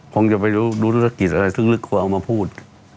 คงจะไปรู้ธุรกิจอะไรซึ่งลึกกว่าเอามาพูด